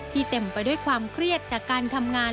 เต็มไปด้วยความเครียดจากการทำงาน